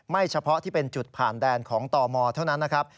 เฉพาะที่เป็นจุดผ่านแดนของตมเท่านั้นนะครับ